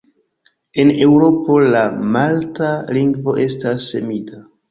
En Eŭropo, la malta lingvo estas semida.